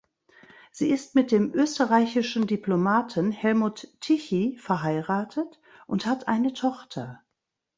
Sie ist mit dem österreichischen Diplomaten Helmut Tichy verheiratet und hat eine Tochter.